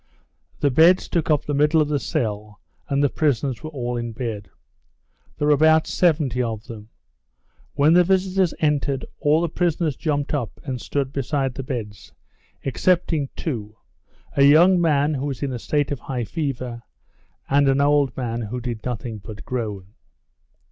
The beds took up the middle of the cell and the prisoners were all in bed. There were about 70 of them. When the visitors entered all the prisoners jumped up and stood beside the beds, excepting two, a young man who was in a state of high fever, and an old man who did nothing but groan.